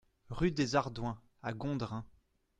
Rue des Ardouens à Gondrin